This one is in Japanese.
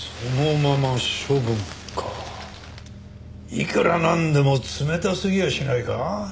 いくらなんでも冷たすぎやしないか？